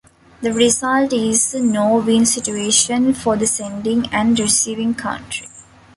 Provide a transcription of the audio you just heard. The result is a no-win situation for the sending and receiving country.